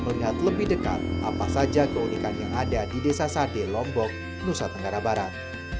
melihat lebih dekat apa saja keunikan yang ada di desa sade lombok nusa tenggara barat